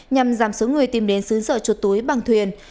nhằm giảm số người tìm đến xứ sở chuột túi bằng thuyền